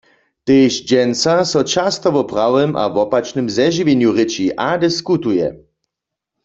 Tež dźensa so často wo prawym a wopačnym zežiwjenju rěči a diskutuje.